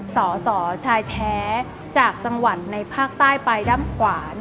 สอสอชายแท้จากจังหวัดในภาคใต้ไปด้ำขวาน